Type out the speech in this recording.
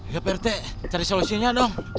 ya pak rt cari solusinya dong